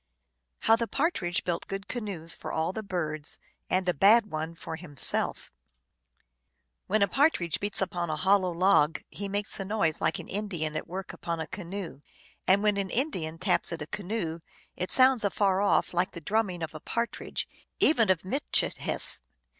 How the Partridge built Good Canoes for all the Birds, and a Bad One for Himself. When a partridge beats upon a hollow log he makes a noise like an Indian at work upon a canoe, and when an Indian taps at a canoe it sounds afar off like the drumming of a partridge, even of Mitchi hess.